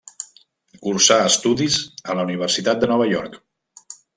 Cursà estudis en la Universitat de Nova York.